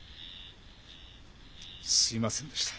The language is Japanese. すいませんでした。